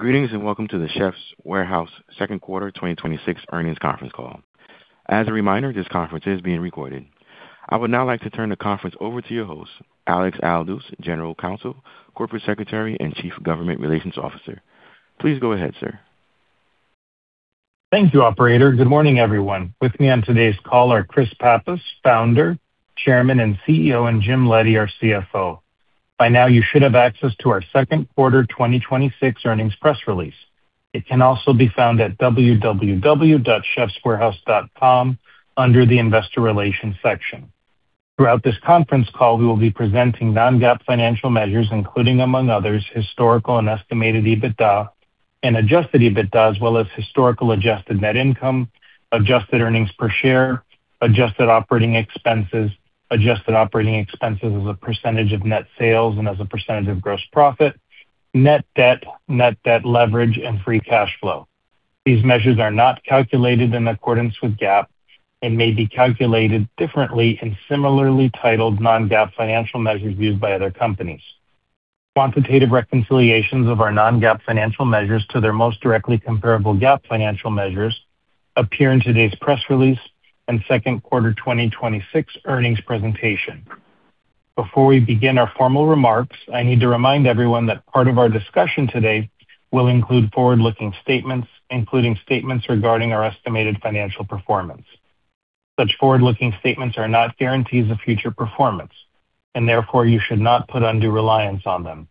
Greetings, welcome to The Chefs' Warehouse second quarter 2026 earnings conference call. As a reminder, this conference is being recorded. I would now like to turn the conference over to your host, Alex Aldous, General Counsel, Corporate Secretary, and Chief Government Relations Officer. Please go ahead, sir. Thank you, operator. Good morning, everyone. With me on today's call are Chris Pappas, Founder, Chairman, and CEO, and Jim Leddy, our CFO. By now, you should have access to our second quarter 2026 earnings press release. It can also be found at www.chefswarehouse.com under the investor relations section. Throughout this conference call, we will be presenting non-GAAP financial measures, including, among others, historical and estimated EBITDA and adjusted EBITDA, as well as historical adjusted net income, adjusted earnings per share, adjusted operating expenses, adjusted operating expenses as a percentage of net sales and as a percentage of gross profit, net debt, net debt leverage, and free cash flow. These measures are not calculated in accordance with GAAP and may be calculated differently in similarly titled non-GAAP financial measures used by other companies. Quantitative reconciliations of our non-GAAP financial measures to their most directly comparable GAAP financial measures appear in today's press release and second quarter 2026 earnings presentation. Before we begin our formal remarks, I need to remind everyone that part of our discussion today will include forward-looking statements, including statements regarding our estimated financial performance. Such forward-looking statements are not guarantees of future performance, and therefore you should not put undue reliance on them.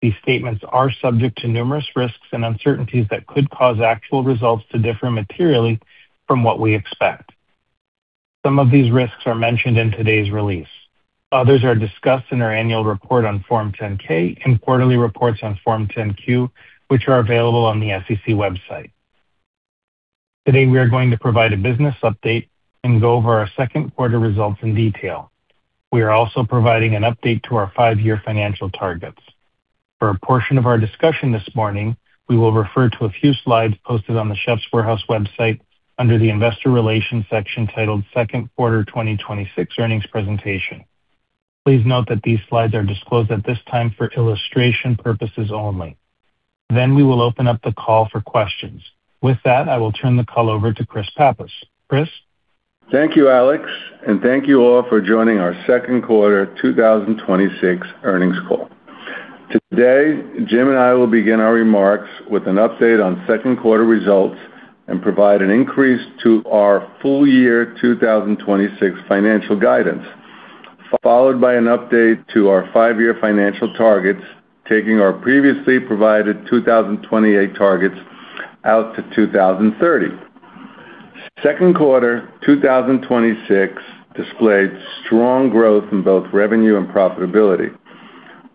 These statements are subject to numerous risks and uncertainties that could cause actual results to differ materially from what we expect. Some of these risks are mentioned in today's release. Others are discussed in our annual report on Form 10-K and quarterly reports on Form 10-Q, which are available on the SEC website. Today, we are going to provide a business update and go over our second quarter results in detail. We are also providing an update to our five-year financial targets. For a portion of our discussion this morning, we will refer to a few slides posted on The Chefs' Warehouse website under the investor relations section titled Second Quarter 2026 Earnings Presentation. Please note that these slides are disclosed at this time for illustration purposes only. We will open up the call for questions. With that, I will turn the call over to Chris Pappas. Chris? Thank you, Alex, and thank you all for joining our second quarter 2026 earnings call. Today, Jim and I will begin our remarks with an update on second quarter results and provide an increase to our full year 2026 financial guidance, followed by an update to our five-year financial targets, taking our previously provided 2028 targets out to 2030. Second quarter 2026 displayed strong growth in both revenue and profitability.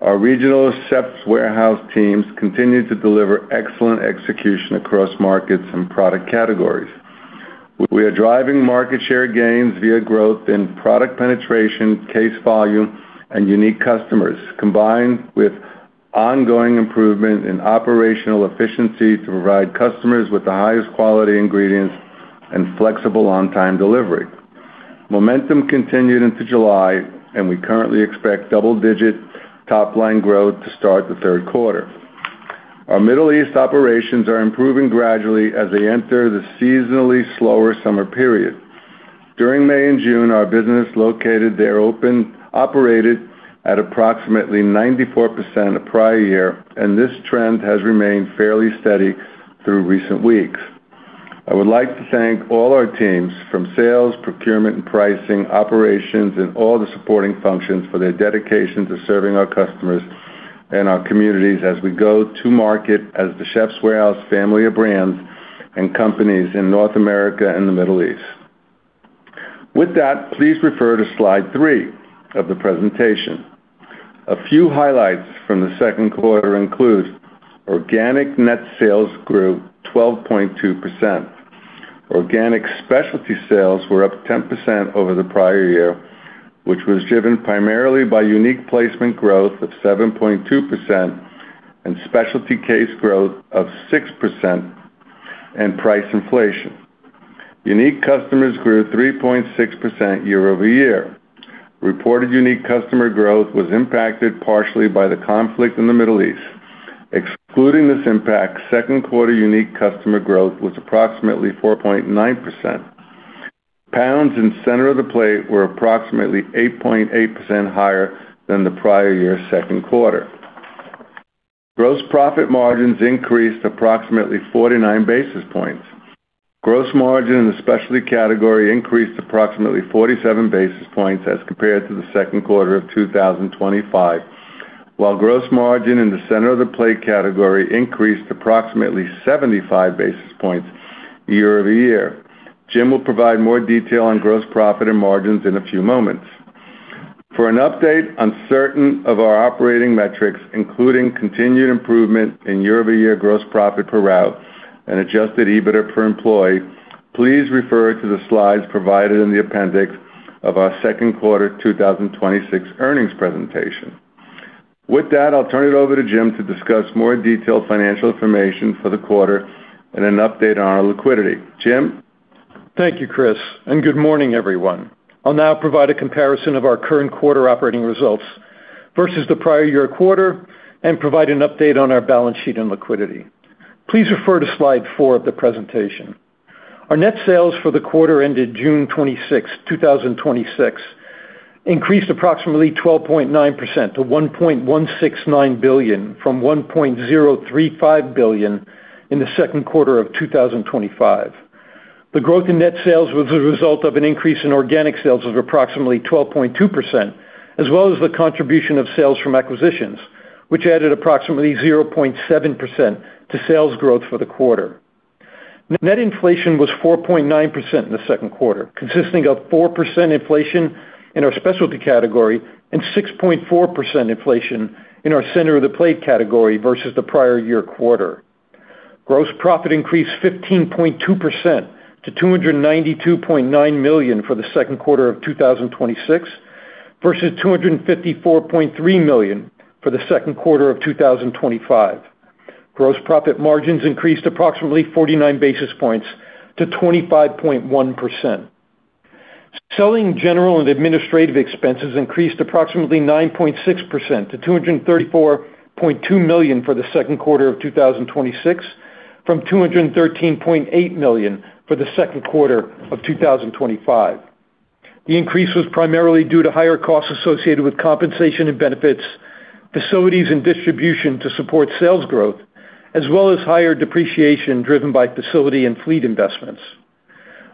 Our regional The Chefs' Warehouse teams continue to deliver excellent execution across markets and product categories. We are driving market share gains via growth in product penetration, case volume, and unique customers, combined with ongoing improvement in operational efficiency to provide customers with the highest quality ingredients and flexible on-time delivery. Momentum continued into July, and we currently expect double-digit top-line growth to start the third quarter. Our Middle East operations are improving gradually as they enter the seasonally slower summer period. This trend has remained fairly steady through recent weeks. During May and June, our business located there operated at approximately 94% of prior year. I would like to thank all our teams from sales, procurement, and pricing, operations, and all the supporting functions for their dedication to serving our customers and our communities as we go to market as The Chefs' Warehouse family of brands and companies in North America and the Middle East. Please refer to slide three of the presentation. A few highlights from the second quarter include organic net sales grew 12.2%. Organic specialty sales were up 10% over the prior year, which was driven primarily by unique placement growth of 7.2% and specialty case growth of 6% and price inflation. Unique customers grew 3.6% year-over-year. Reported unique customer growth was impacted partially by the conflict in the Middle East. Excluding this impact, second quarter unique customer growth was approximately 4.9%. Pounds in center of the plate were approximately 8.8% higher than the prior year second quarter. Gross profit margins increased approximately 49 basis points. Gross margin in the specialty category increased approximately 47 basis points as compared to the second quarter of 2025. Gross margin in the center of the plate category increased approximately 75 basis points year-over-year. Jim will provide more detail on gross profit and margins in a few moments. For an update on certain of our operating metrics, including continued improvement in year-over-year gross profit per route and adjusted EBITDA per employee, please refer to the slides provided in the appendix of our second quarter 2026 earnings presentation. I'll turn it over to Jim to discuss more detailed financial information for the quarter and an update on our liquidity. Jim? Thank you, Chris, and good morning, everyone. I'll now provide a comparison of our current quarter operating results versus the prior year quarter and provide an update on our balance sheet and liquidity. Please refer to slide four of the presentation. Our net sales for the quarter ended June 26th, 2026, increased approximately 12.9% to $1.169 billion from $1.035 billion in the second quarter of 2025. The growth in net sales was a result of an increase in organic sales of approximately 12.2%, as well as the contribution of sales from acquisitions, which added approximately 0.7% to sales growth for the quarter. Net inflation was 4.9% in the second quarter, consisting of 4% inflation in our specialty category and 6.4% inflation in our center of the plate category versus the prior year quarter. Gross profit increased 15.2% to $292.9 million for the second quarter of 2026, versus $254.3 million for the second quarter of 2025. Gross profit margins increased approximately 49 basis points to 25.1%. Selling, general and administrative expenses increased approximately 9.6% to $234.2 million for the second quarter of 2026 from $213.8 million for the second quarter of 2025. The increase was primarily due to higher costs associated with compensation and benefits, facilities and distribution to support sales growth, as well as higher depreciation driven by facility and fleet investments.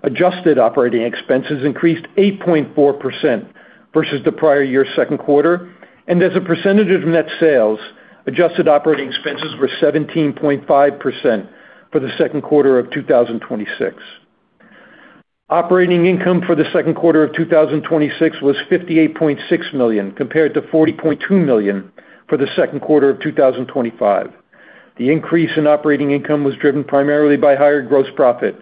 Adjusted operating expenses increased 8.4% versus the prior year second quarter, and as a percentage of net sales, adjusted operating expenses were 17.5% for the second quarter of 2026. Operating income for the second quarter of 2026 was $58.6 million, compared to $40.2 million for the second quarter of 2025. The increase in operating income was driven primarily by higher gross profit,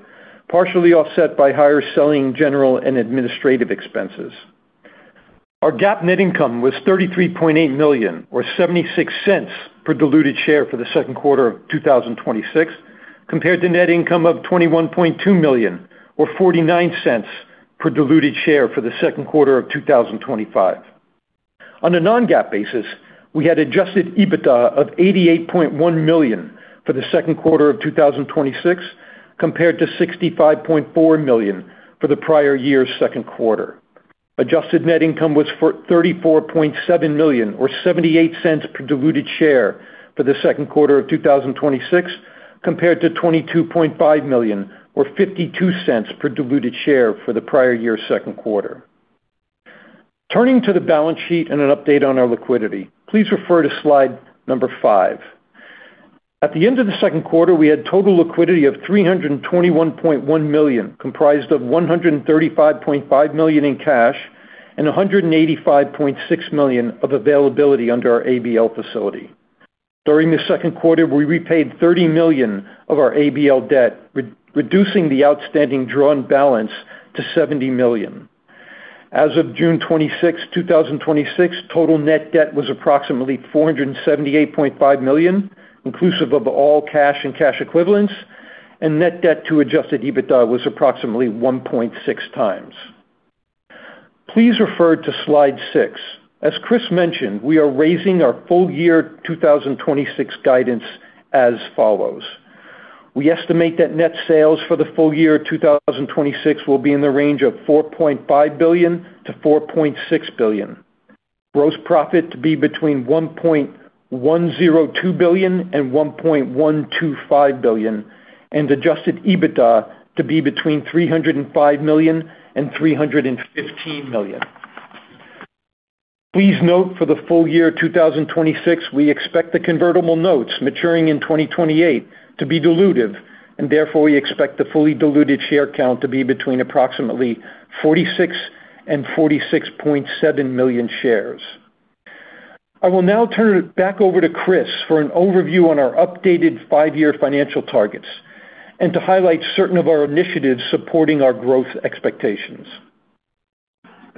partially offset by higher selling, general and administrative expenses. Our GAAP net income was $33.8 million, or $0.76 per diluted share for the second quarter of 2026, compared to net income of $21.2 million or $0.49 per diluted share for the second quarter of 2025. On a non-GAAP basis, we had adjusted EBITDA of $88.1 million for the second quarter of 2026, compared to $65.4 million for the prior year's second quarter. Adjusted net income was for $34.7 million, or $0.78 per diluted share for the second quarter of 2026, compared to $22.5 million or $0.52 per diluted share for the prior year's second quarter. Turning to the balance sheet and an update on our liquidity, please refer to slide number five. At the end of the second quarter, we had total liquidity of $321.1 million, comprised of $135.5 million in cash and $185.6 million of availability under our ABL facility. During the second quarter, we repaid $30 million of our ABL debt, reducing the outstanding drawn balance to $70 million. As of June 26th, 2026, total net debt was approximately $478.5 million, inclusive of all cash and cash equivalents, and net debt to adjusted EBITDA was approximately 1.6x. Please refer to slide six. As Chris mentioned, we are raising our full year 2026 guidance as follows. We estimate that net sales for the full year 2026 will be in the range of $4.5 billion-$4.6 billion. Gross profit to be between $1.102 billion and $1.125 billion, and adjusted EBITDA to be between $305 million and $315 million. Please note for the full year 2026, we expect the convertible notes maturing in 2028 to be dilutive, and therefore, we expect the fully diluted share count to be between approximately 46 and 46.7 million shares. I will now turn it back over to Chris for an overview on our updated five-year financial targets and to highlight certain of our initiatives supporting our growth expectations.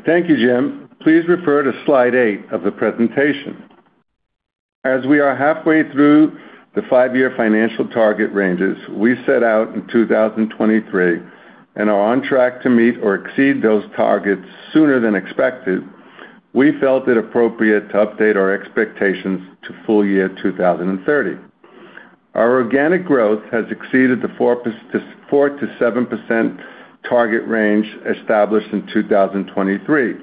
Thank you, Jim. Please refer to slide eight of the presentation. As we are halfway through the five-year financial target ranges we set out in 2023 and are on track to meet or exceed those targets sooner than expected, we felt it appropriate to update our expectations to full year 2030. Our organic growth has exceeded the 4%-7% target range established in 2023,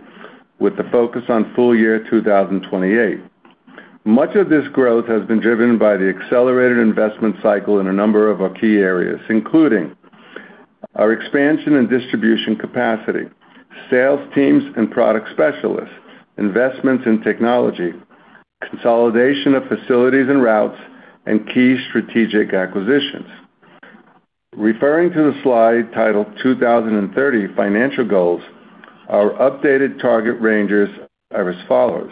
with the focus on full year 2028. Much of this growth has been driven by the accelerated investment cycle in a number of our key areas, including our expansion and distribution capacity, sales teams and product specialists, investments in technology, consolidation of facilities and routes, and key strategic acquisitions. Referring to the slide titled 2030 Financial Goals, our updated target ranges are as follows.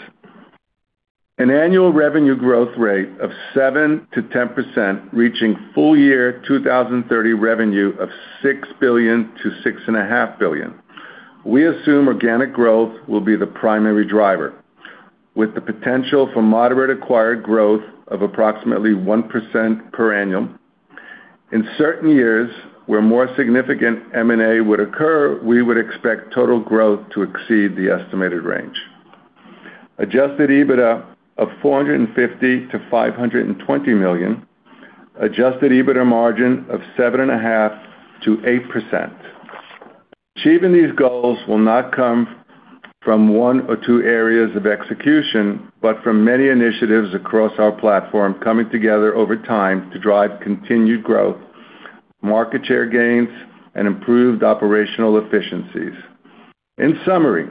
An annual revenue growth rate of 7%-10%, reaching full year 2030 revenue of $6 billion-$6.5 billion. We assume organic growth will be the primary driver. With the potential for moderate acquired growth of approximately 1% per annum. In certain years where more significant M&A would occur, we would expect total growth to exceed the estimated range. Adjusted EBITDA of $450 million-$520 million, adjusted EBITDA margin of 7.5%-8%. Achieving these goals will not come from one or two areas of execution, but from many initiatives across our platform coming together over time to drive continued growth, market share gains, and improved operational efficiencies. In summary,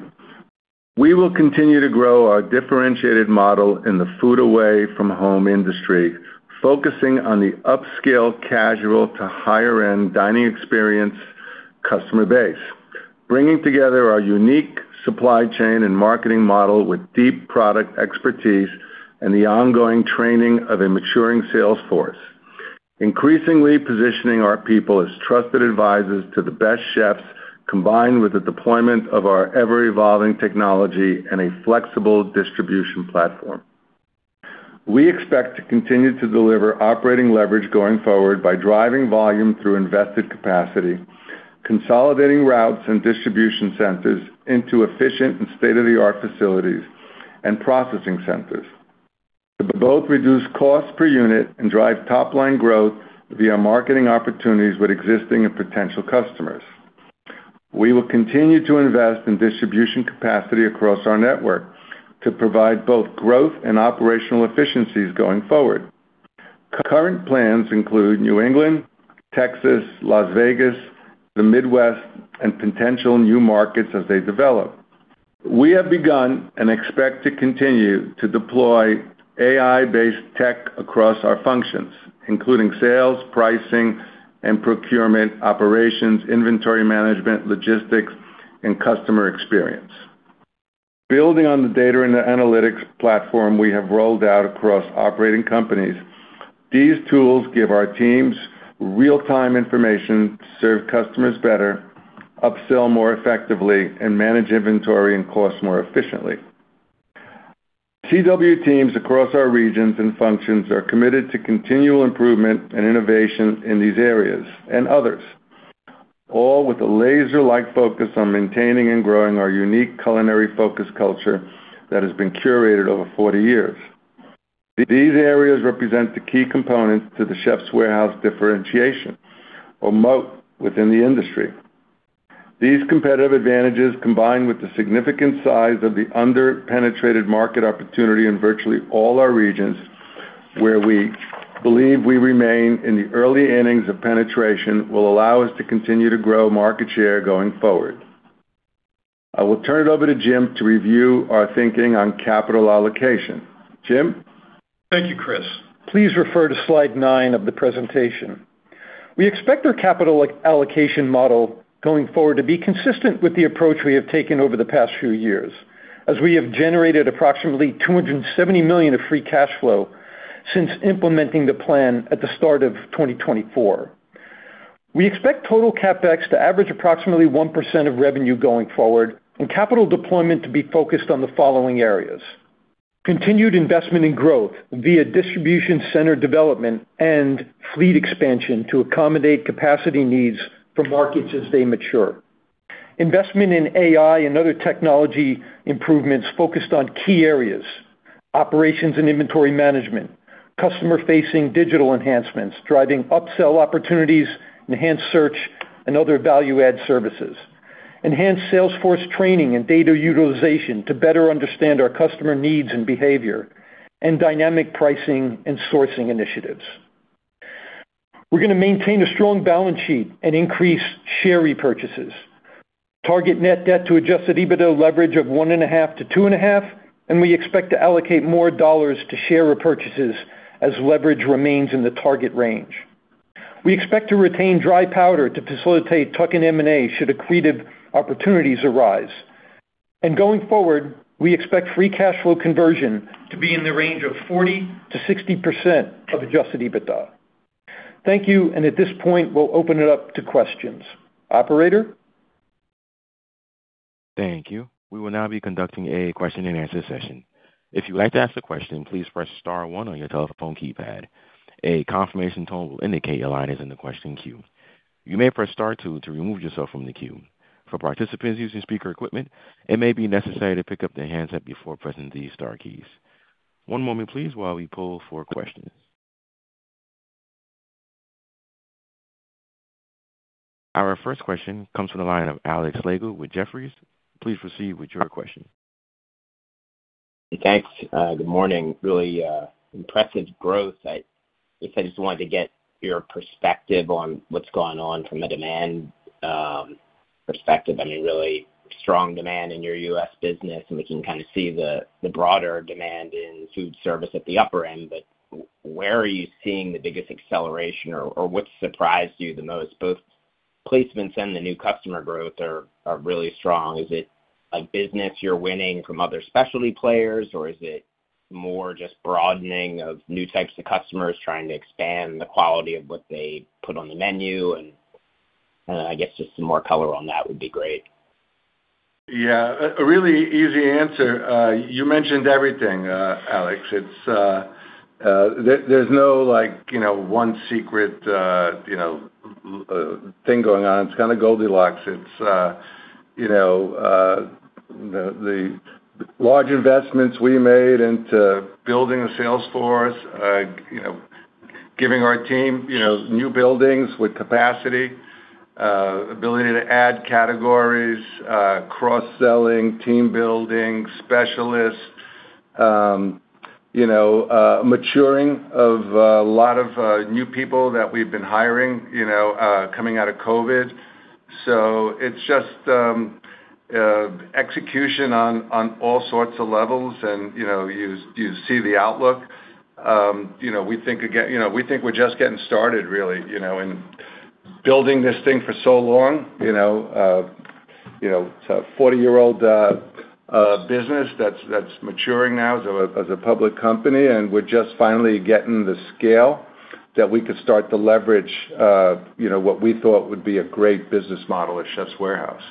we will continue to grow our differentiated model in the food away from home industry, focusing on the upscale casual to higher-end dining experience customer base, bringing together our unique supply chain and marketing model with deep product expertise and the ongoing training of a maturing sales force. Increasingly positioning our people as trusted advisors to the best chefs, combined with the deployment of our ever-evolving technology and a flexible distribution platform. We expect to continue to deliver operating leverage going forward by driving volume through invested capacity, consolidating routes and distribution centers into efficient and state-of-the-art facilities and processing centers, to both reduce cost per unit and drive top line growth via marketing opportunities with existing and potential customers. We will continue to invest in distribution capacity across our network to provide both growth and operational efficiencies going forward. Current plans include New England, Texas, Las Vegas, the Midwest, and potential new markets as they develop. We have begun and expect to continue to deploy AI-based tech across our functions, including sales, pricing, and procurement operations, inventory management, logistics, and customer experience. Building on the data and the analytics platform we have rolled out across operating companies, these tools give our teams real-time information to serve customers better, upsell more effectively, and manage inventory and cost more efficiently. CW teams across our regions and functions are committed to continual improvement and innovation in these areas and others, all with a laser-like focus on maintaining and growing our unique culinary focus culture that has been curated over 40 years. These areas represent the key components to The Chefs' Warehouse differentiation or moat within the industry. These competitive advantages, combined with the significant size of the under-penetrated market opportunity in virtually all our regions where we believe we remain in the early innings of penetration, will allow us to continue to grow market share going forward. I will turn it over to Jim to review our thinking on capital allocation. Jim? Thank you, Chris. Please refer to slide nine of the presentation. We expect our capital allocation model going forward to be consistent with the approach we have taken over the past few years, as we have generated approximately $270 million of free cash flow since implementing the plan at the start of 2024. We expect total CapEx to average approximately 1% of revenue going forward and capital deployment to be focused on the following areas. Continued investment in growth via distribution center development and fleet expansion to accommodate capacity needs for markets as they mature. Investment in AI and other technology improvements focused on key areas, operations and inventory management, customer-facing digital enhancements, driving upsell opportunities, enhanced search, and other value-add services. Enhanced sales force training and data utilization to better understand our customer needs and behavior, and dynamic pricing and sourcing initiatives. We're going to maintain a strong balance sheet and increase share repurchases. Target net debt to adjusted EBITDA leverage of 1.5 to 2.5, and we expect to allocate more dollars to share repurchases as leverage remains in the target range. We expect to retain dry powder to facilitate tuck-in M&A should accretive opportunities arise. Going forward, we expect free cash flow conversion to be in the range of 40%-60% of adjusted EBITDA. Thank you. At this point, we'll open it up to questions. Operator? Thank you. We will now be conducting a question-and-answer session. If you'd like to ask a question, please press star one on your telephone keypad. A confirmation tone will indicate your line is in the question queue. You may press star two to remove yourself from the queue. For participants using speaker equipment, it may be necessary to pick up the handset before pressing these star keys. One moment, please, while we pull for questions. Our first question comes from the line of Alex Slagle with Jefferies. Please proceed with your question. Thanks. Good morning. Really impressive growth. I just wanted to get your perspective on what's gone on from a demand perspective. I mean, really strong demand in your U.S. business, and we can kind of see the broader demand in food service at the upper end. Where are you seeing the biggest acceleration, or what surprised you the most? Both placements and the new customer growth are really strong. Is it a business you're winning from other specialty players, or is it more just broadening of new types of customers trying to expand the quality of what they put on the menu and I guess just some more color on that would be great. Yeah. A really easy answer. You mentioned everything, Alex. There's no one secret thing going on. It's kind of Goldilocks. The large investments we made into building a sales force, giving our team new buildings with capacity, ability to add categories, cross-selling, team building, specialists, maturing of a lot of new people that we've been hiring coming out of COVID. It's just execution on all sorts of levels, and you see the outlook. We think we're just getting started, really, and building this thing for so long. It's a 40-year-old business that's maturing now as a public company, and we're just finally getting the scale that we could start to leverage what we thought would be a great business model at The Chefs' Warehouse.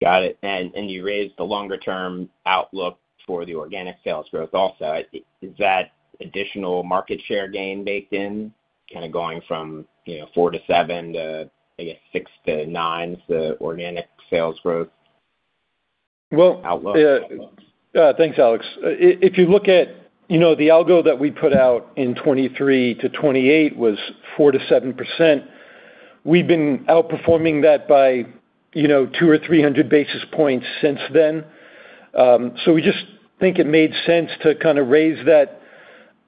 Got it. You raised the longer-term outlook for the organic sales growth also. Is that additional market share gain baked in, kind of going from 4%-7% to, I guess, 6%-9%, the organic sales growth outlook? Thanks, Alex. If you look at the algo that we put out in 2023 to 2028 was 4%-7%. We've been outperforming that by 200 or 300 basis points since then. We just think it made sense to kind of raise that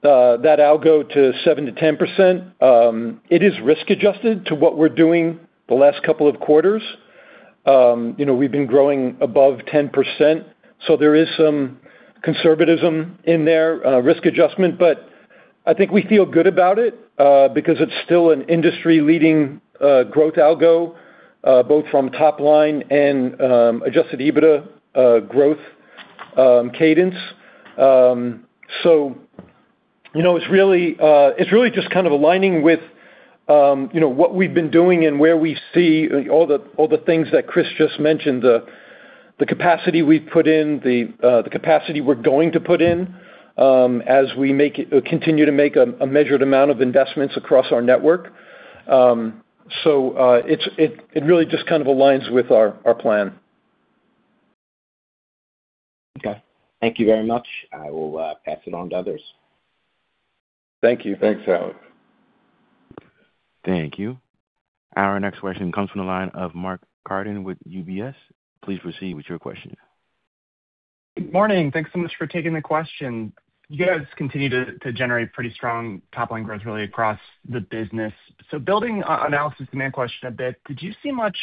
algo to 7%-10%. It is risk-adjusted to what we're doing the last couple of quarters. We've been growing above 10%, there is some conservatism in there, risk adjustment. I think we feel good about it because it's still an industry-leading growth algo, both from top line and adjusted EBITDA growth cadence. It's really just kind of aligning with what we've been doing and where we see all the things that Chris just mentioned, the capacity we've put in, the capacity we're going to put in as we continue to make a measured amount of investments across our network. It really just kind of aligns with our plan. Okay. Thank you very much. I will pass it on to others. Thank you. Thanks, Alex. Thank you. Our next question comes from the line of Mark Carden with UBS. Please proceed with your question. Good morning. Thanks so much for taking the question. You guys continue to generate pretty strong top-line growth, really across the business. Building on Alex's main question a bit, did you see much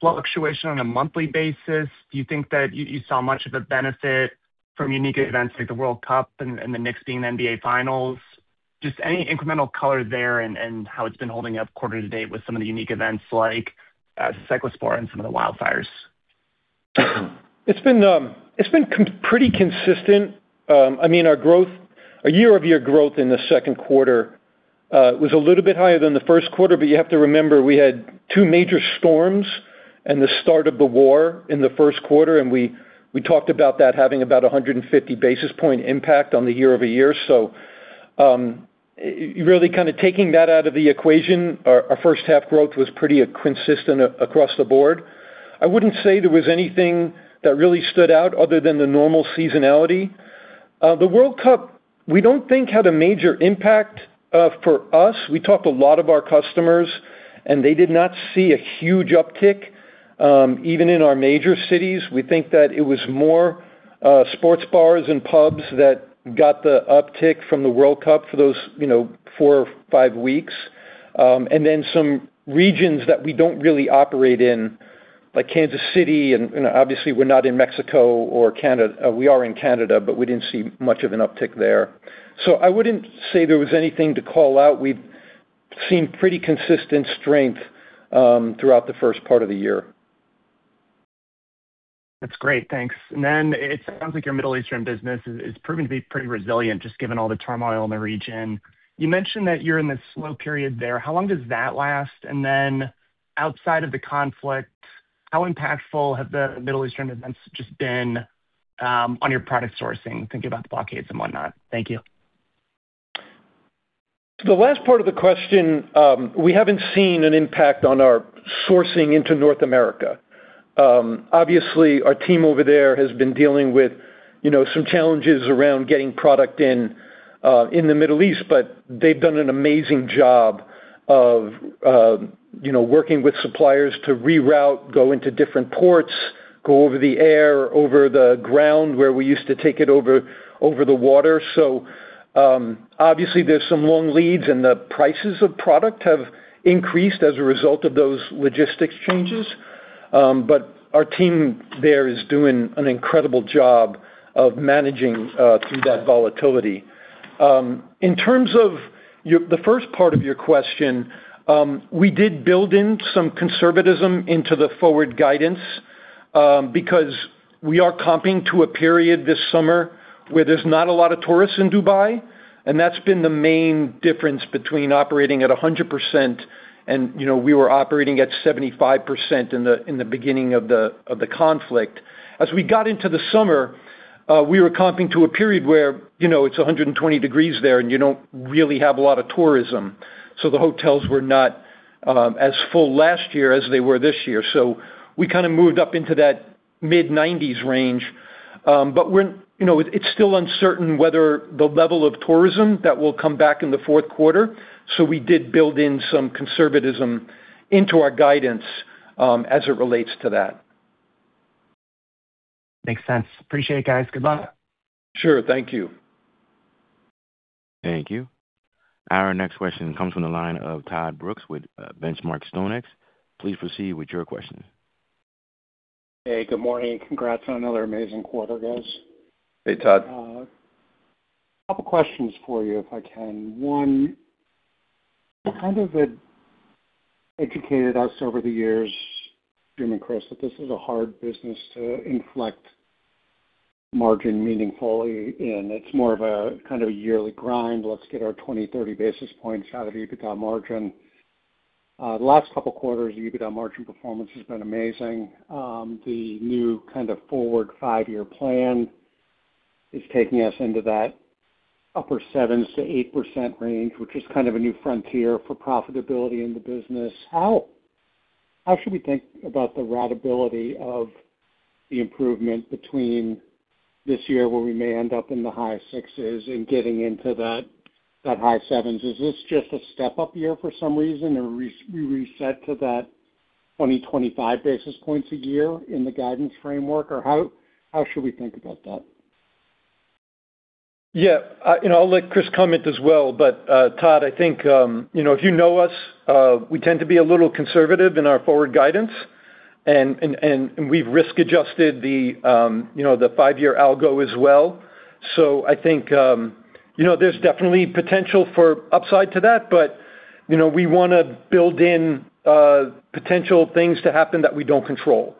fluctuation on a monthly basis? Do you think that you saw much of a benefit from unique events like the World Cup and the Knicks being in NBA Finals? Just any incremental color there and how it's been holding up quarter to date with some of the unique events like Cyclospora and some of the wildfires. It's been pretty consistent. Our year-over-year growth in the second quarter was a little bit higher than the first quarter, you have to remember, we had two major storms and the start of the war in the first quarter, and we talked about that having about 150 basis point impact on the year-over-year. Really kind of taking that out of the equation, our first half growth was pretty consistent across the board. I wouldn't say there was anything that really stood out other than the normal seasonality. The World Cup, we don't think had a major impact for us. We talked to a lot of our customers, and they did not see a huge uptick. Even in our major cities, we think that it was more sports bars and pubs that got the uptick from the World Cup for those four or five weeks. Some regions that we don't really operate in, like Kansas City, and obviously we're not in Mexico or Canada. We are in Canada, we didn't see much of an uptick there. I wouldn't say there was anything to call out. We've seen pretty consistent strength throughout the first part of the year. That's great. Thanks. It sounds like your Middle Eastern business is proving to be pretty resilient, just given all the turmoil in the region. You mentioned that you're in this slow period there. How long does that last? Outside of the conflict, how impactful have the Middle Eastern events just been on your product sourcing? Thinking about the blockades and whatnot. Thank you. To the last part of the question, we haven't seen an impact on our sourcing into North America. Obviously, our team over there has been dealing with some challenges around getting product in the Middle East, but they've done an amazing job of working with suppliers to reroute, go into different ports, go over the air, over the ground, where we used to take it over the water. Obviously there's some long leads, and the prices of product have increased as a result of those logistics changes. Our team there is doing an incredible job of managing through that volatility. In terms of the first part of your question, we did build in some conservatism into the forward guidance. We are comping to a period this summer where there's not a lot of tourists in Dubai, and that's been the main difference between operating at 100%, and we were operating at 75% in the beginning of the conflict. As we got into the summer, we were comping to a period where it's 120 degrees there, and you don't really have a lot of tourism. The hotels were not as full last year as they were this year. We moved up into that mid-90s range. It's still uncertain whether the level of tourism that will come back in the fourth quarter, so we did build in some conservatism into our guidance as it relates to that. Makes sense. Appreciate it, guys. Good luck. Sure. Thank you. Thank you. Our next question comes from the line of Todd Brooks with Benchmark StoneX. Please proceed with your questions. Hey, good morning. Congrats on another amazing quarter, guys. Hey, Todd. A couple of questions for you, if I can. One, you kind of educated us over the years, Jim and Chris, that this is a hard business to inflect margin meaningfully, and it's more of a yearly grind. Let's get our 20, 30 basis points out of EBITDA margin. The last couple of quarters, the EBITDA margin performance has been amazing. The new forward five-year plan is taking us into that upper 7%-8% range, which is kind of a new frontier for profitability in the business. How should we think about the ratability of the improvement between this year where we may end up in the high sixes and getting into that high sevens? Is this just a step-up year for some reason, or we reset to that 20, 25 basis points a year in the guidance framework? How should we think about that? Yeah. I'll let Chris comment as well. Todd, I think, if you know us, we tend to be a little conservative in our forward guidance, and we've risk-adjusted the five-year algo as well. I think there's definitely potential for upside to that, but we want to build in potential things to happen that we don't control.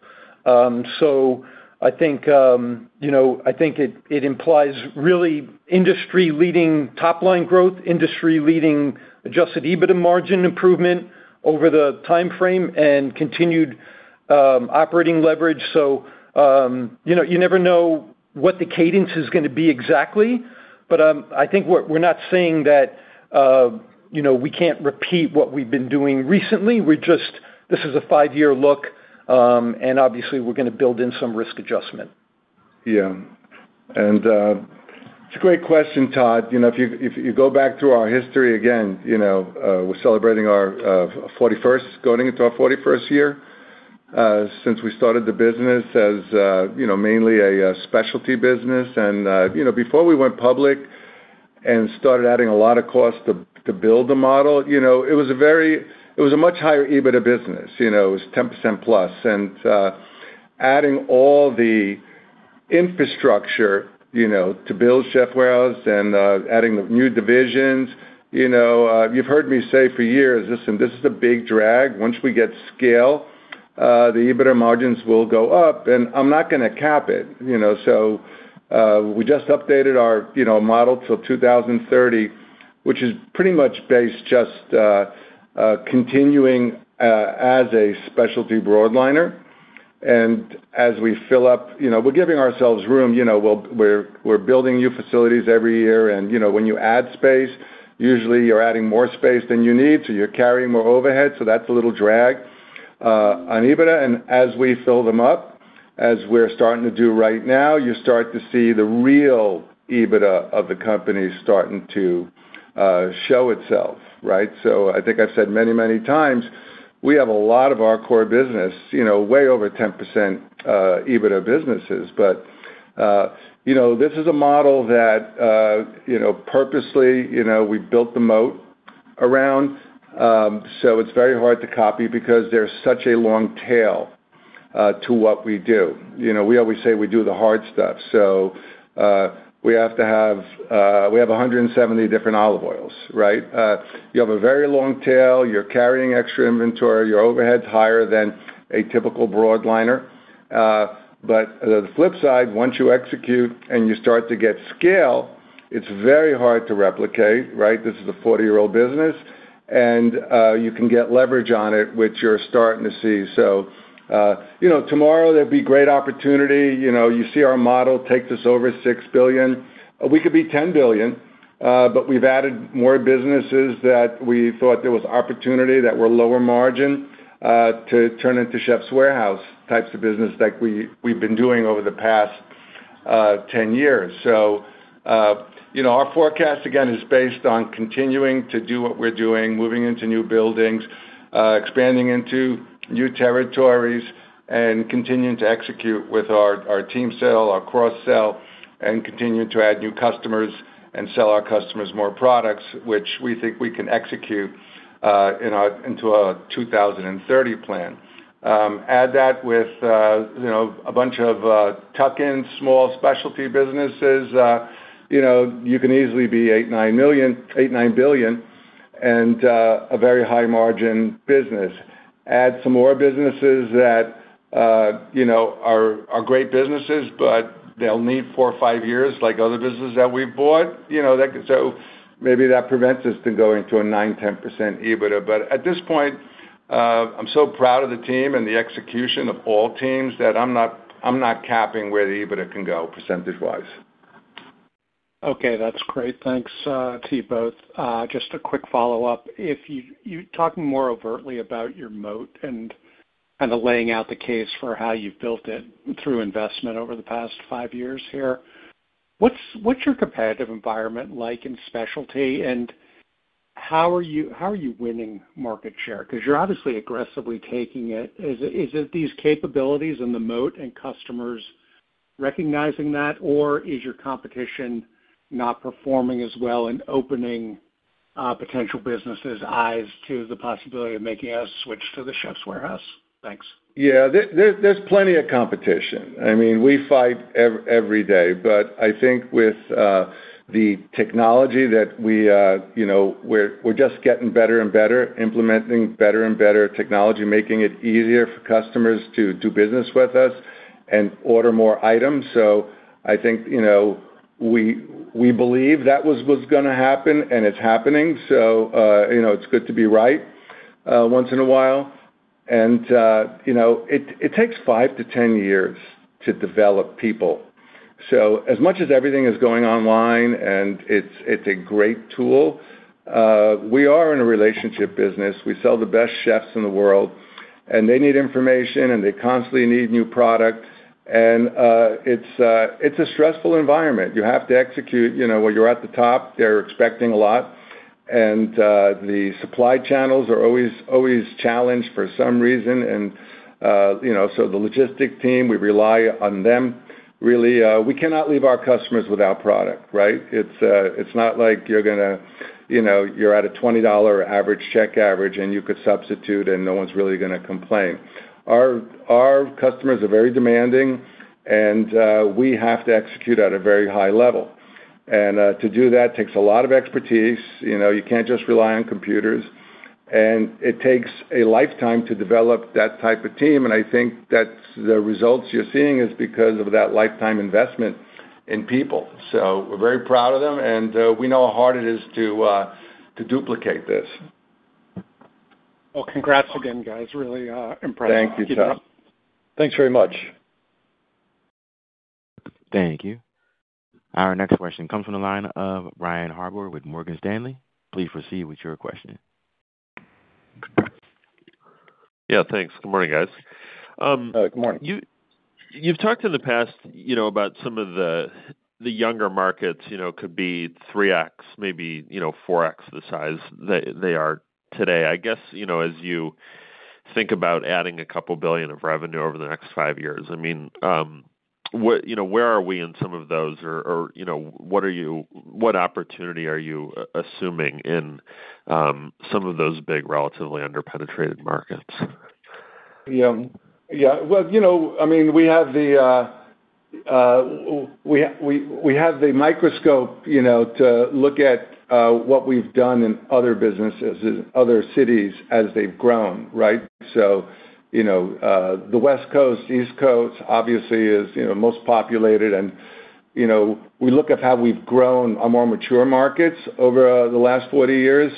I think it implies really industry-leading top-line growth, industry-leading adjusted EBITDA margin improvement over the timeframe, and continued operating leverage. You never know what the cadence is going to be exactly, but I think we're not saying that we can't repeat what we've been doing recently. This is a five-year look, and obviously, we're going to build in some risk adjustment. Yeah. It's a great question, Todd. If you go back through our history again, we're celebrating our 41st, going into our 41st year since we started the business as mainly a specialty business. Before we went public and started adding a lot of cost to build the model, it was a much higher EBITDA business. It was 10%+. Adding all the infrastructure to build The Chefs' Warehouse and adding new divisions. You've heard me say for years, "Listen, this is a big drag." Once we get scale, the EBITDA margins will go up, and I'm not going to cap it. We just updated our model till 2030, which is pretty much based just continuing as a specialty broadliner. As we fill up, we're giving ourselves room. We're building new facilities every year, and when you add space, usually you're adding more space than you need, so you're carrying more overhead. That's a little drag on EBITDA. As we fill them up, as we're starting to do right now, you start to see the real EBITDA of the company starting to show itself. Right? I think I've said many times, we have a lot of our core business, way over 10% EBITDA businesses. This is a model that purposely, we built the moat around. It's very hard to copy because there's such a long tail to what we do. We always say we do the hard stuff. We have 170 different outlets. Right? You have a very long tail. You're carrying extra inventory. Your overhead's higher than a typical broadliner. The flip side, once you execute and you start to get scale, it's very hard to replicate. Right. This is a 40-year-old business, you can get leverage on it, which you're starting to see. Tomorrow there'd be great opportunity. You see our model takes us over $6 billion. We could be $10 billion, but we've added more businesses that we thought there was opportunity that were lower margin to turn into The Chefs' Warehouse types of business like we've been doing over the past 10 years. Our forecast, again, is based on continuing to do what we're doing, moving into new buildings, expanding into new territories, and continuing to execute with our team sell, our cross-sell, and continuing to add new customers and sell our customers more products, which we think we can execute into a 2030 plan. Add that with a bunch of tuck-in small specialty businesses, you can easily be $8 billion, $9 billion. A very high margin business. Add some more businesses that are great businesses, but they'll need four or five years like other businesses that we've bought. Maybe that prevents us from going to a 9%, 10% EBITDA. At this point, I'm so proud of the team and the execution of all teams that I'm not capping where the EBITDA can go percentage-wise. Okay, that's great. Thanks to you both. Just a quick follow-up. You're talking more overtly about your moat and laying out the case for how you've built it through investment over the past five years here. What's your competitive environment like in specialty, and how are you winning market share? Because you're obviously aggressively taking it. Is it these capabilities and the moat and customers recognizing that, or is your competition not performing as well and opening potential businesses' eyes to the possibility of making a switch to The Chefs' Warehouse? Thanks. Yeah. There's plenty of competition. We fight every day. I think with the technology, we're just getting better and better, implementing better and better technology, making it easier for customers to do business with us and order more items. I think, we believe that was what's going to happen, and it's happening. It's good to be right once in a while. It takes five to 10 years to develop people. As much as everything is going online, and it's a great tool, we are in a relationship business. We sell the best chefs in the world, and they need information, and they constantly need new product. It's a stressful environment. You have to execute. When you're at the top, they're expecting a lot, the supply channels are always challenged for some reason, the logistic team, we rely on them, really. We cannot leave our customers without product, right? It's not like you're at a $20 average check average, and you could substitute, and no one's really going to complain. Our customers are very demanding, and we have to execute at a very high level. To do that takes a lot of expertise. You can't just rely on computers. It takes a lifetime to develop that type of team, and I think that the results you're seeing is because of that lifetime investment in people. We're very proud of them, and we know how hard it is to duplicate this. Well, congrats again, guys. Really impressive. Thank you, Todd. Thanks very much. Thank you. Our next question comes from the line of Brian Harbour with Morgan Stanley. Please proceed with your question. Yeah, thanks. Good morning, guys. Good morning. You've talked in the past about some of the younger markets could be 3x, maybe 4x the size they are today. I guess, as you think about adding a $2 billion of revenue over the next five years, where are we in some of those, or what opportunity are you assuming in some of those big, relatively under-penetrated markets? We have the microscope to look at what we've done in other businesses in other cities as they've grown, right? The West Coast, East Coast obviously is the most populated, and we look at how we've grown our more mature markets over the last 40 years.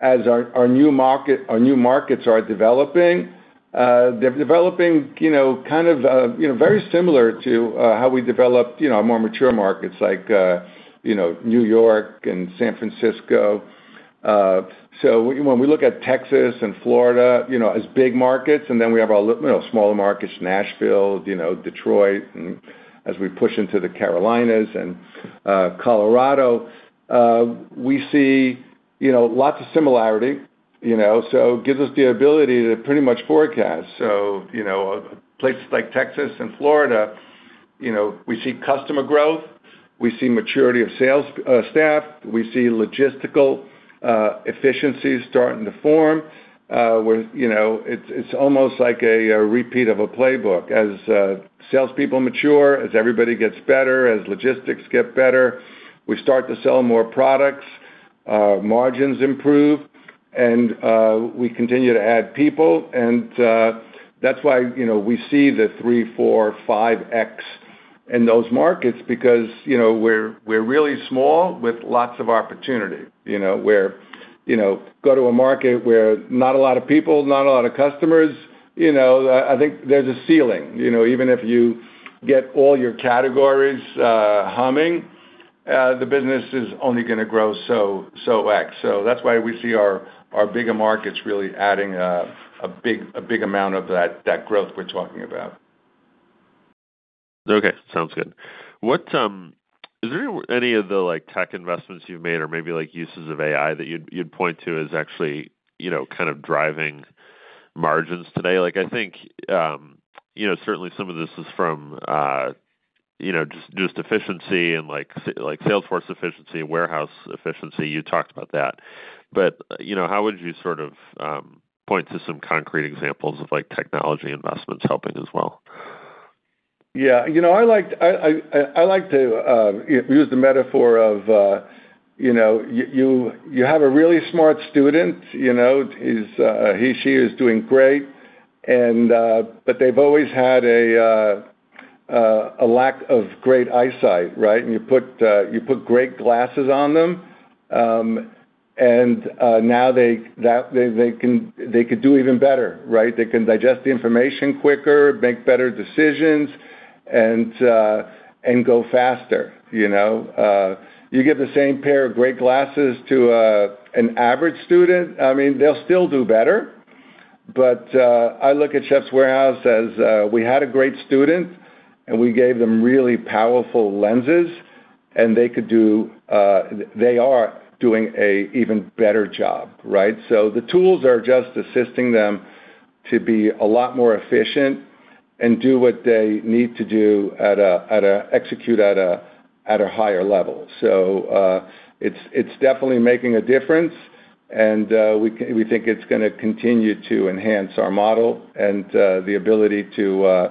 As our new markets are developing, they're developing very similar to how we developed more mature markets like New York and San Francisco. When we look at Texas and Florida as big markets, and then we have our smaller markets, Nashville, Detroit, and as we push into the Carolinas and Colorado, we see lots of similarity. It gives us the ability to pretty much forecast. Places like Texas and Florida, we see customer growth, we see maturity of staff, we see logistical efficiencies starting to form, where it's almost like a repeat of a playbook. As salespeople mature, as everybody gets better, as logistics get better, we start to sell more products, margins improve, and we continue to add people. That's why we see the 3x, 4x, 5x in those markets, because we're really small with lots of opportunity. Go to a market where not a lot of people, not a lot of customers, I think there's a ceiling. Even if you get all your categories humming, the business is only going to grow so X. That's why we see our bigger markets really adding a big amount of that growth we're talking about. Sounds good. Is there any of the tech investments you've made or maybe uses of AI that you'd point to as actually kind of driving margins today? I think certainly some of this is from just efficiency and like sales force efficiency, warehouse efficiency. You talked about that. How would you sort of point to some concrete examples of technology investments helping as well? I like to use the metaphor of you have a really smart student, he/she is doing great, but they've always had a lack of great eyesight, right? You put great glasses on them, and now they could do even better, right? They can digest the information quicker, make better decisions, and go faster. You give the same pair of great glasses to an average student, they'll still do better. I look at The Chefs' Warehouse as we had a great student, and we gave them really powerful lenses and they are doing a even better job, right? The tools are just assisting them to be a lot more efficient and do what they need to do, execute at a higher level. It's definitely making a difference and we think it's going to continue to enhance our model and the ability to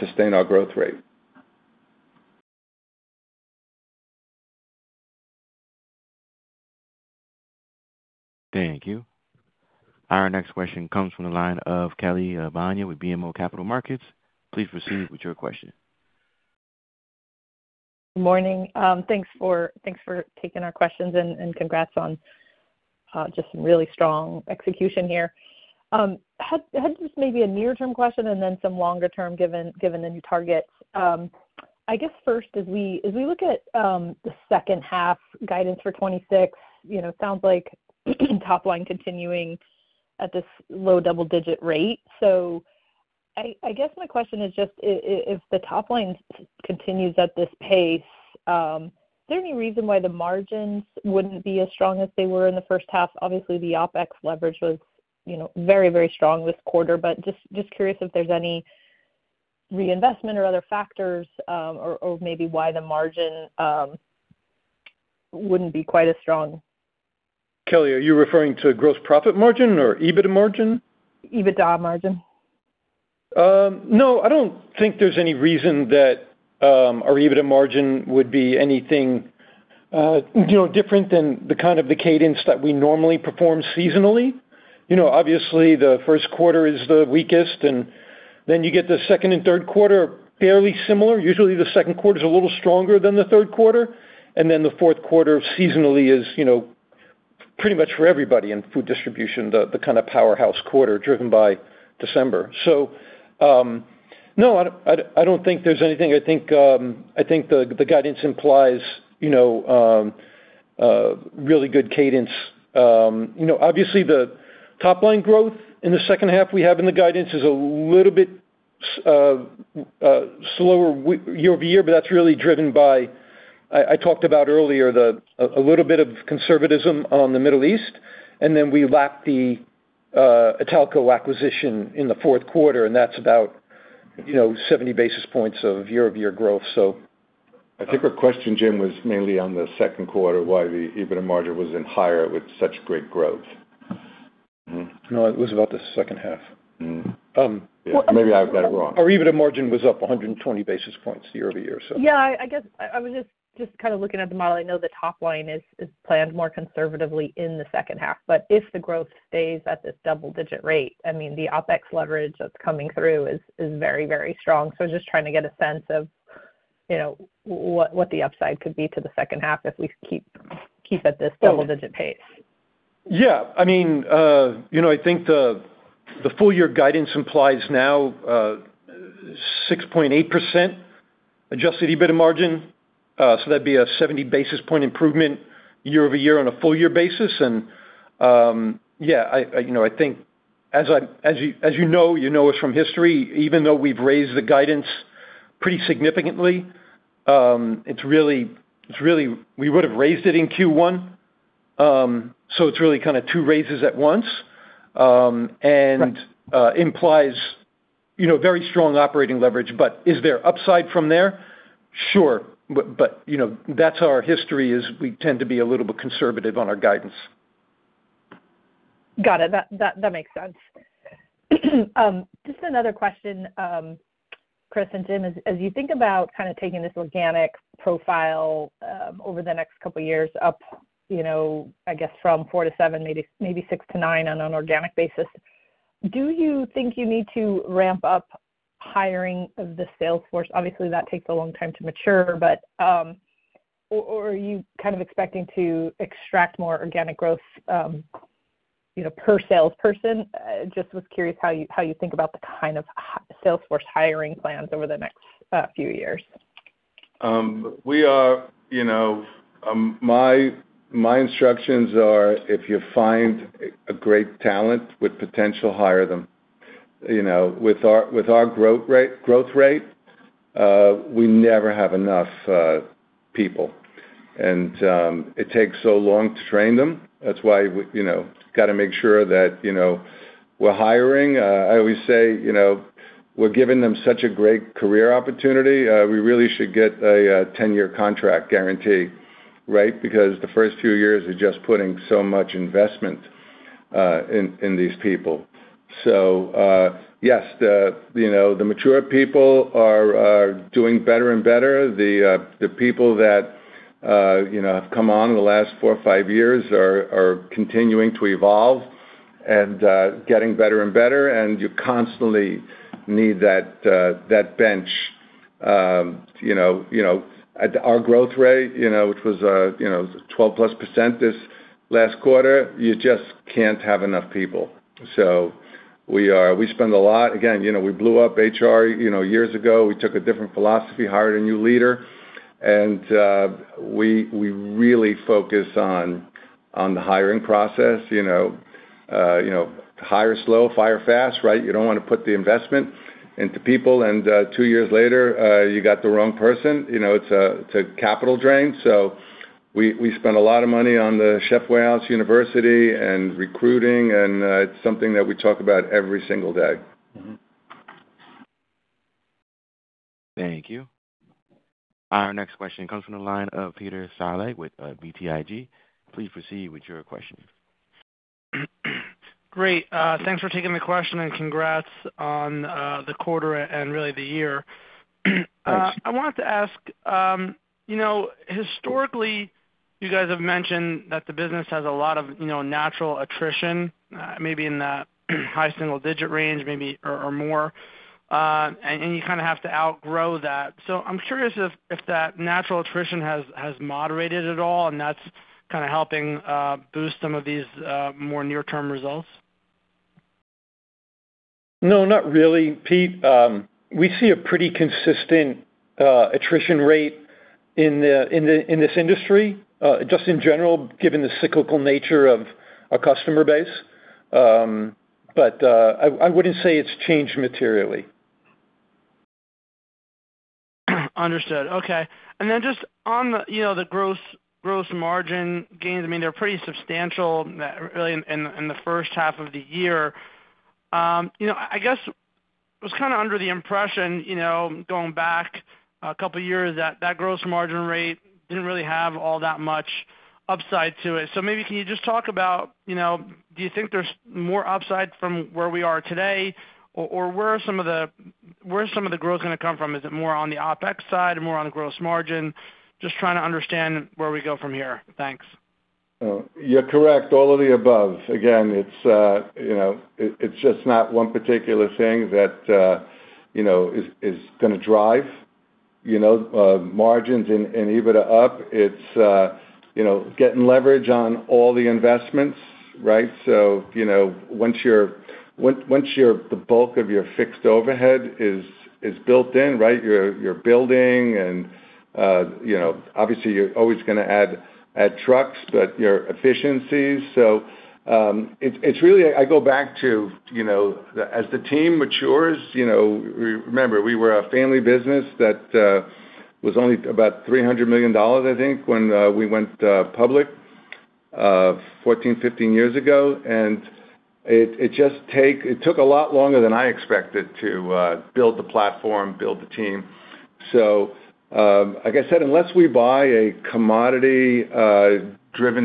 sustain our growth rate. Thank you. Our next question comes from the line of Kelly Bania with BMO Capital Markets. Please proceed with your question. Morning. Thanks for taking our questions and congrats on just some really strong execution here. Had just maybe a near term question and then some longer term, given the new targets. I guess first, as we look at the second half guidance for 2026, sounds like top line continuing at this low double digit rate. I guess my question is just if the top line continues at this pace, is there any reason why the margins wouldn't be as strong as they were in the first half? Obviously, the OpEx leverage was very strong this quarter, but just curious if there's any reinvestment or other factors, or maybe why the margin wouldn't be quite as strong. Kelly, are you referring to gross profit margin or EBITDA margin? EBITDA margin. No, I don't think there's any reason that our EBITDA margin would be anything different than the kind of the cadence that we normally perform seasonally. Obviously, the first quarter is the weakest, and then you get the second and third quarter are fairly similar. Usually, the second quarter's a little stronger than the third quarter, and then the fourth quarter seasonally is pretty much for everybody in food distribution, the kind of powerhouse quarter driven by December. No, I don't think there's anything. I think the guidance implies really good cadence. Obviously, the top line growth in the second half we have in the guidance is a little bit slower year-over-year, but that's really driven by, I talked about earlier, a little bit of conservatism on the Middle East, and then we lack the Italco acquisition in the fourth quarter, and that's about 70 basis points of year-over-year growth. I think her question, Jim, was mainly on the second quarter, why the EBITDA margin wasn't higher with such great growth. No, it was about the second half. Yeah. Maybe I've got it wrong. Our EBITDA margin was up 120 basis points year-over-year. Yeah, I guess I was just kind of looking at the model. I know the top line is planned more conservatively in the second half, but if the growth stays at this double digit rate, the OpEx leverage that's coming through is very strong. Just trying to get a sense of what the upside could be to the second half if we keep at this double digit pace. Yeah. I think the full year guidance implies now 6.8% adjusted EBITDA margin. That'd be a 70 basis point improvement year-over-year on a full year basis. Yeah, I think as you know us from history, even though we've raised the guidance pretty significantly, we would've raised it in Q1. It's really kind of two raises at once. Implies very strong operating leverage. Is there upside from there? Sure. That's our history, is we tend to be a little bit conservative on our guidance. Got it. That makes sense. Just another question, Chris and Jim, as you think about kind of taking this organic profile over the next couple of years up, I guess from 4-7, maybe 6-9 on an organic basis, do you think you need to ramp up hiring of the sales force? Obviously, that takes a long time to mature. Or are you kind of expecting to extract more organic growth per salesperson? Just was curious how you think about the kind of sales force hiring plans over the next few years. My instructions are if you find a great talent with potential, hire them. With our growth rate, we never have enough people, and it takes so long to train them. That's why we got to make sure that we're hiring. I always say, we're giving them such a great career opportunity. We really should get a 10-year contract guarantee, right? Because the first few years is just putting so much investment in these people. Yes, the mature people are doing better and better. The people that have come on in the last four or five years are continuing to evolve and getting better and better. You constantly need that bench. At our growth rate, which was 12%+ this last quarter, you just can't have enough people. We spend a lot. Again, we blew up HR years ago. We took a different philosophy, hired a new leader, and we really focus on the hiring process. Hire slow, fire fast, right? You don't want to put the investment into people and two years later, you got the wrong person. It's a capital drain. We spend a lot of money on The Chefs' Warehouse University and recruiting, and it's something that we talk about every single day. Thank you. Our next question comes from the line of Peter Saleh with BTIG. Please proceed with your question. Great. Thanks for taking the question, congrats on the quarter and really the year. Thanks. I wanted to ask, historically, you guys have mentioned that the business has a lot of natural attrition, maybe in the high single-digit range, or more, and you kind of have to outgrow that. I'm curious if that natural attrition has moderated at all, and that's kind of helping boost some of these more near-term results. No, not really, Pete. We see a pretty consistent attrition rate in this industry, just in general, given the cyclical nature of our customer base. I wouldn't say it's changed materially. Understood. Okay. Then just on the gross margin gains, they're pretty substantial, really, in the first half of the year. I guess I was kind of under the impression, going back a couple of years, that that gross margin rate didn't really have all that much upside to it. Maybe can you just talk about, do you think there's more upside from where we are today? Where is some of the growth going to come from? Is it more on the OpEx side or more on the gross margin? Just trying to understand where we go from here. Thanks. You're correct. All of the above. It's just not one particular thing that is going to drive margins and EBITDA up. It's getting leverage on all the investments, right? Once the bulk of your fixed overhead is built in, right? You're building and obviously, you're always going to add trucks, but your efficiencies. I go back to as the team matures. Remember, we were a family business that was only about $300 million, I think, when we went public 14, 15 years ago. It took a lot longer than I expected to build the platform, build the team. Like I said, unless we buy a commodity-driven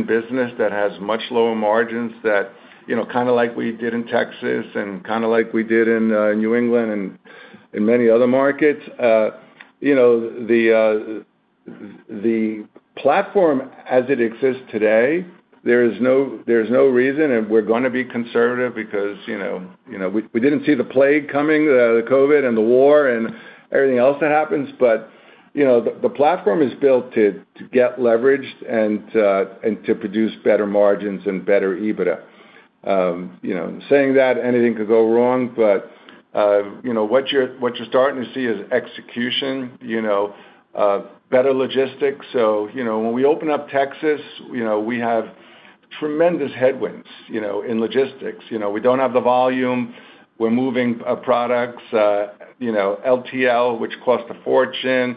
business that has much lower margins, kind of like we did in Texas and kind of like we did in New England and in many other markets. The platform as it exists today, there's no reason. We're going to be conservative because we didn't see the plague coming, the COVID and the war and everything else that happens. The platform is built to get leveraged and to produce better margins and better EBITDA. Saying that, anything could go wrong, but what you're starting to see is execution, better logistics. When we open up Texas, we have tremendous headwinds in logistics. We don't have the volume. We're moving products, LTL, which costs a fortune.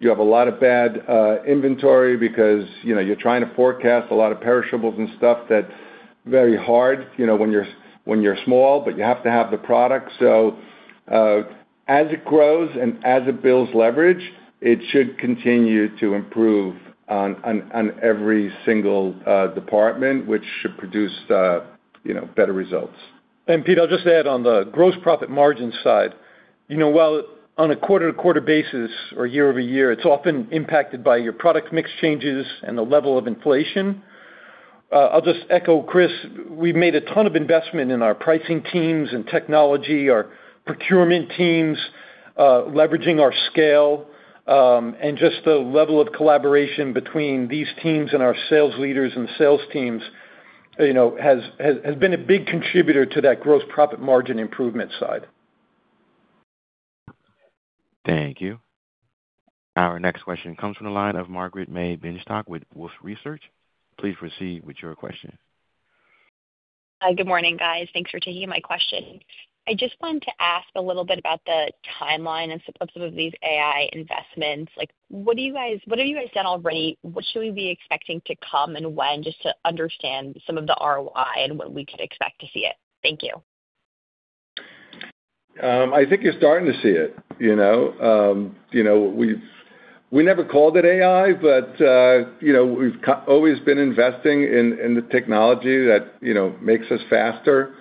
You have a lot of bad inventory because you're trying to forecast a lot of perishables and stuff that's very hard when you're small, but you have to have the product. As it grows and as it builds leverage, it should continue to improve on every single department, which should produce better results. Pete, I'll just add on the gross profit margin side. While on a quarter-to-quarter basis or year-over-year, it's often impacted by your product mix changes and the level of inflation. I'll just echo Chris. We've made a ton of investment in our pricing teams and technology, our procurement teams, leveraging our scale. Just the level of collaboration between these teams and our sales leaders and sales teams has been a big contributor to that gross profit margin improvement side. Thank you. Our next question comes from the line of Margaret May Binshtok with Wolfe Research. Please proceed with your question. Good morning, guys. Thanks for taking my question. I just wanted to ask a little bit about the timeline and some of these AI investments. What have you guys done already? What should we be expecting to come and when, just to understand some of the ROI and when we could expect to see it? Thank you. I think you're starting to see it. We never called it AI, but we've always been investing in the technology that makes us faster,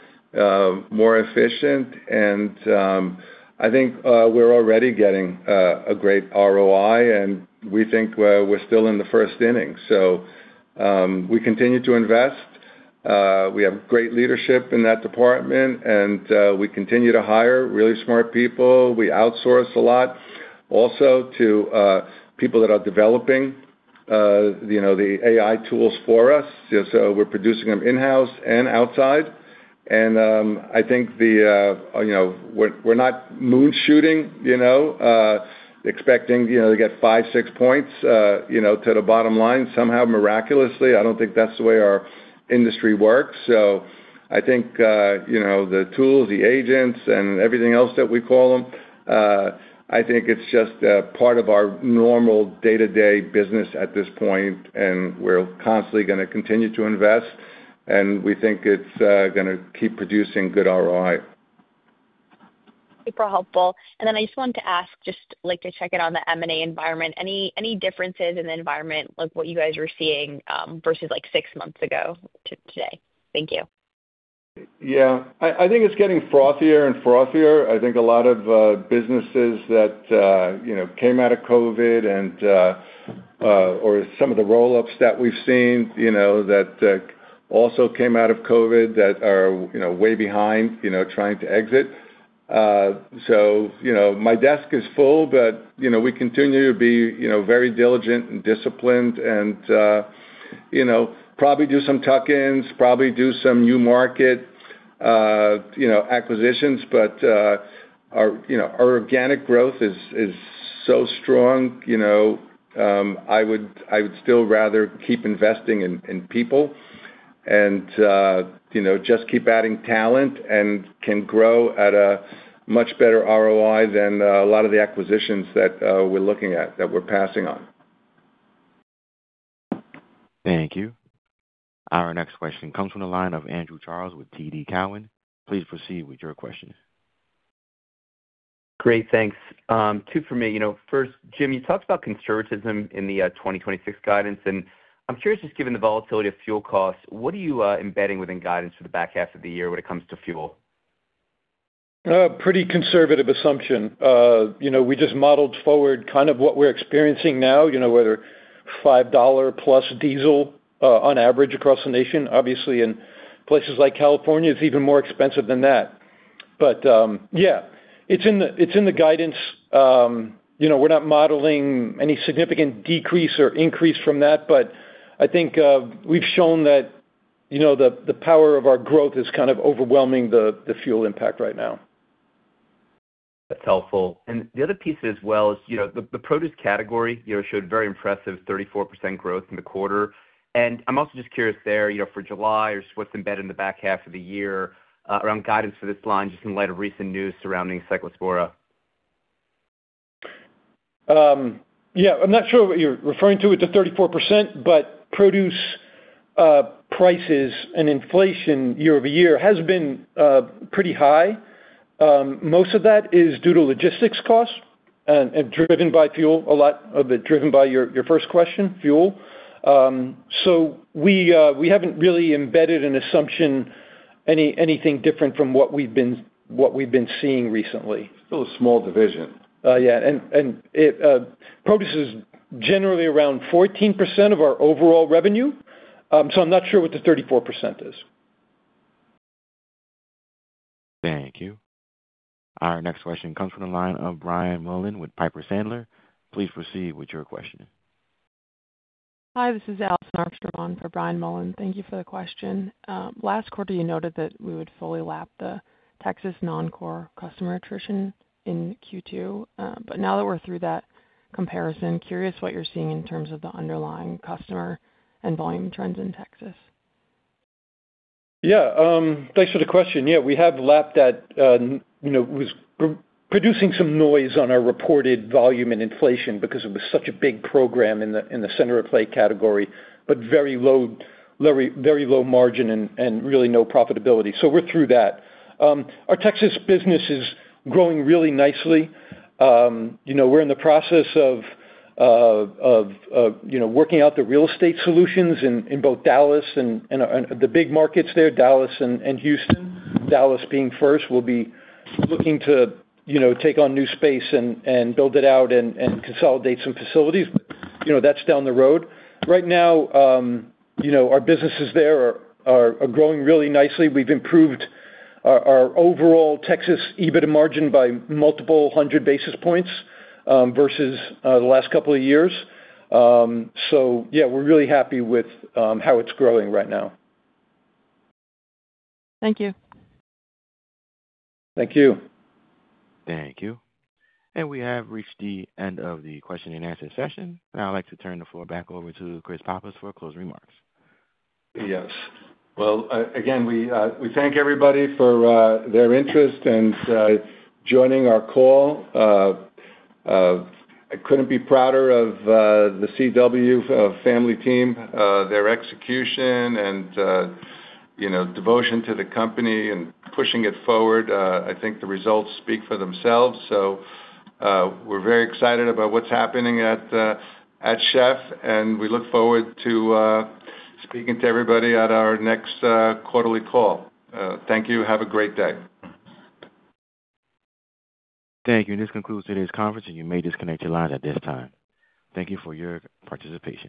more efficient, and I think we're already getting a great ROI, and we think we're still in the first inning. We continue to invest. We have great leadership in that department, and we continue to hire really smart people. We outsource a lot also to people that are developing the AI tools for us. We're producing them in-house and outside. I think we're not moon shooting, expecting to get five, six points to the bottom line somehow, miraculously. I don't think that's the way our industry works. I think the tools, the agents, and everything else that we call them, I think it's just a part of our normal day-to-day business at this point, and we're constantly going to continue to invest, and we think it's going to keep producing good ROI. Super helpful. I just wanted to ask, just to check in on the M&A environment. Any differences in the environment, like what you guys were seeing, versus six months ago to today? Thank you. Yeah. I think it's getting frothier and frothier. I think a lot of businesses that came out of COVID and, or some of the roll-ups that we've seen that also came out of COVID that are way behind trying to exit. My desk is full, but we continue to be very diligent and disciplined and probably do some tuck-ins, probably do some new market acquisitions. Our organic growth is so strong. I would still rather keep investing in people and just keep adding talent and can grow at a much better ROI than a lot of the acquisitions that we're looking at, that we're passing on. Thank you. Our next question comes from the line of Andrew Charles with TD Cowen. Please proceed with your questions. Great, thanks. Two for me. First, Jim, you talked about conservatism in the 2026 guidance. I'm curious, just given the volatility of fuel costs, what are you embedding within guidance for the back half of the year when it comes to fuel? Pretty conservative assumption. We just modeled forward what we're experiencing now, whether $5+ diesel on average across the nation. Obviously, in places like California, it's even more expensive than that. Yeah, it's in the guidance. We're not modeling any significant decrease or increase from that, I think we've shown that the power of our growth is overwhelming the fuel impact right now. That's helpful. The other piece as well is the produce category showed very impressive 34% growth in the quarter. I'm also just curious there for July or just what's embedded in the back half of the year around guidance for this line, just in light of recent news surrounding Cyclospora. I'm not sure what you're referring to with the 34%, but produce prices and inflation year-over-year has been pretty high. Most of that is due to logistics costs and driven by fuel, a lot of it driven by your first question, fuel. We haven't really embedded an assumption, anything different from what we've been seeing recently. Still a small division. Produce is generally around 14% of our overall revenue, I'm not sure what the 34% is. Thank you. Our next question comes from the line of Brian Mullan with Piper Sandler. Please proceed with your question. Hi, this is Allison Armstrong for Brian Mullan. Thank you for the question. Last quarter, you noted that we would fully lap the Texas non-core customer attrition in Q2. Now that we're through that comparison, curious what you're seeing in terms of the underlying customer and volume trends in Texas. Thanks for the question. It was producing some noise on our reported volume and inflation because it was such a big program in the center of the plate category, but very low margin and really no profitability. We're through that. Our Texas business is growing really nicely. We're in the process of working out the real estate solutions in both Dallas and the big markets there, Dallas and Houston. Dallas being first, we'll be looking to take on new space and build it out and consolidate some facilities. That's down the road. Right now, our businesses there are growing really nicely. We've improved our overall Texas EBITDA margin by multiple hundred basis points versus the last couple of years. We're really happy with how it's growing right now. Thank you. Thank you. Thank you. We have reached the end of the question-and-answer session. Now I'd like to turn the floor back over to Chris Pappas for closing remarks. Yes. Well, again, we thank everybody for their interest and joining our call. I couldn't be prouder of the CW family team, their execution, and devotion to the company and pushing it forward. I think the results speak for themselves. We're very excited about what's happening at The Chef's, and we look forward to speaking to everybody at our next quarterly call. Thank you. Have a great day. Thank you. This concludes today's conference, and you may disconnect your lines at this time. Thank you for your participation.